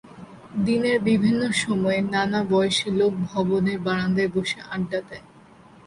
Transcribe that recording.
দিনের বিভিন্ন সময়ে নানা বয়সী লোক ভবনের বারান্দায় বসে আড্ডা দেন।